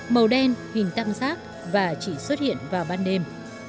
màu đen hình tam sát và chỉ xuất hiện vào ban đêm